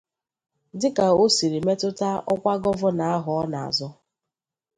dịka o siri metụta ọkwa Gọvanọ ahụ ọ na-azọ